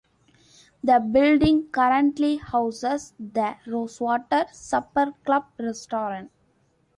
The building currently houses the Rosewater Supper Club Restaurant.